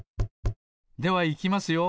ではいきますよ。